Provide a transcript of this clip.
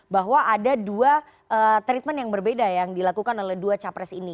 bahwa ada dua treatment yang berbeda yang dilakukan oleh dua capres ini